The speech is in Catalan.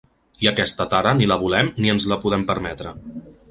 I aquesta tara ni la volem ni ens la podem permetre.